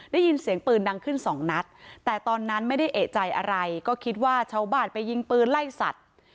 ได้ยินเสียงปืนดังขึ้นสองนัดแต่ตอนนั้นไม่ได้เอกใจอะไรก็คิดว่าชาวบ้านไปยิงปืนไล่สัตว์